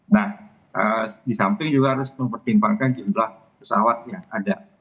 nah di samping juga harus mempertimbangkan jumlah pesawat yang ada